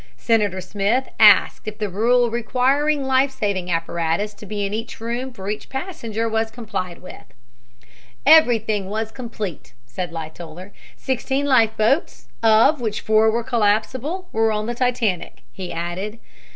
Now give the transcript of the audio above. Senator Smith asked if the rule requiring life saving apparatus to be in each room for each passenger was complied with. "Everything was complete," said Lightoller. "Sixteen life boats, of which four were collapsible, were on the Titanic," he added.